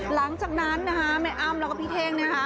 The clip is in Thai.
หลังจากนั้นนะคะแม่อ้ำแล้วก็พี่เท่งนะคะ